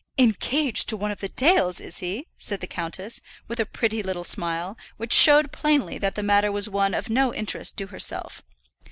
"Engaged to one of the Dales, is he?" said the countess, with a pretty little smile, which showed plainly that the matter was one of no interest to herself.